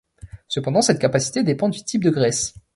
Cependant, cette capacité dépend du type de graisse.